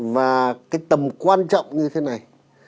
và cái tầm quan trọng như thế này